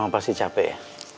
mama pasti capek ya